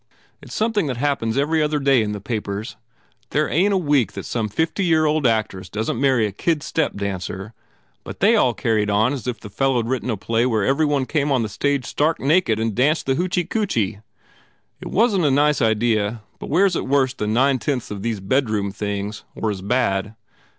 It s something that happens every other day in the papers. There ain t a week that some fifty year old actress doesn t marry a kid step dancer but they all carried on as if this 145 THE FAIR REWARDS fellow d written a play where every one came on the stage stark naked and danced the hoochy coo chee. It wasn t a nice idea but where s it worse than nine tenths these bedroom things or as bad?"